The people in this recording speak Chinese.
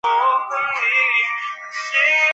张瓘是太原监军使张承业的侄子。